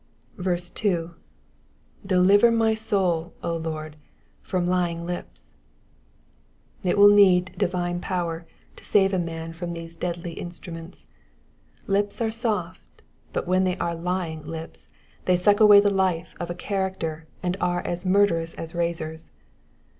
2. ^^ Deliver my souU Lord, from lying lips,'''' It will need divine power to save a man from these deadly instruments. Lips are soft ; but when they are lying lips they suck away the life of character liod are as murderous as razors.